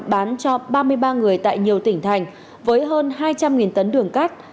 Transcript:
bán cho ba mươi ba người tại nhiều tỉnh thành với hơn hai trăm linh tấn đường cát